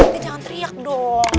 mereka jangan teriak dong